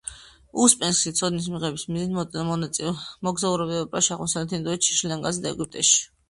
უსპენსკი ცოდნის მიღების მიზნით მოგზაურობდა ევროპაში, აღმოსავლეთ ინდოეთში, შრი-ლანკაზე და ეგვიპტეში.